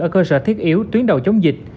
ở cơ sở thiết yếu tuyến đầu chống dịch